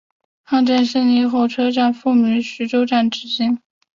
抗战胜利后车站复名徐州站至今。